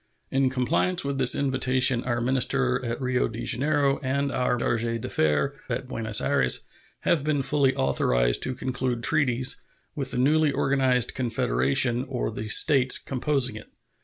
In compliance with this invitation, our minister at Rio Janeiro and our charge d'affaires at Buenos Ayres have been fully authorized to conclude treaties with the newly organized confederation or the States composing it.